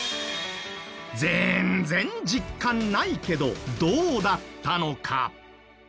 全然実感ないけどどうだったのか？